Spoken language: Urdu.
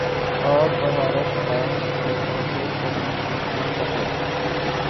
پاک بھارت میچ ریزرو ڈے پر منتقل